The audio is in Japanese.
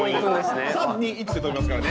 ３２１で飛びますからね。